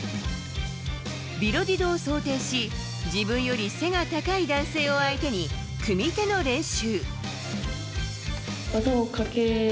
ビロディドを想定し自分より背が高い男性を相手に組み手の練習。